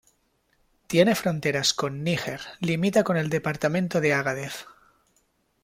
Tiene fronteras con Níger, limita con el departamento de Agadez.